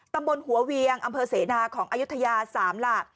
ตำบลหัวเวียงอำเภอเสนาของอายุทยา๓หลัก